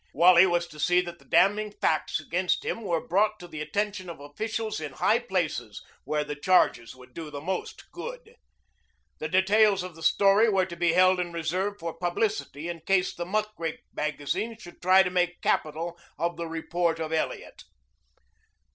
Wally was to see that the damning facts against him were brought to the attention of officials in high places where the charges would do most good. The details of the story were to be held in reserve for publicity in case the muckrake magazines should try to make capital of the report of Elliot.